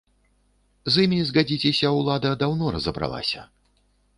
З імі, згадзіцеся, улада даўно разабралася.